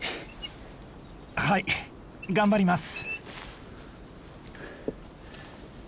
はい頑張ります。